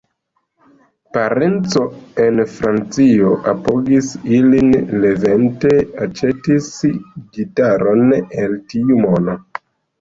Parenco en Francio apogis ilin, Levente aĉetis gitaron el tiu mono.